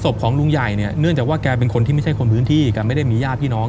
ศพของลุงใหญ่เนี่ยเนื่องจากว่าแกเป็นคนที่ไม่ใช่คนพื้นที่แกไม่ได้มีญาติพี่น้อง